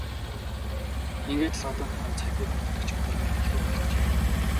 Ингээд одоо л нэг юм цагдаагийн мөрдөгчийн хорон явуулгыг ойлгожээ!